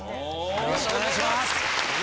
よろしくお願いします！